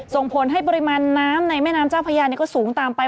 ส่งผลให้ปริมาณน้ำในแม่น้ำเจ้าพญาก็สูงตามไป